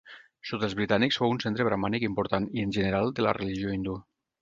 Sota els britànics fou un centre bramànic important i en general de la religió hindú.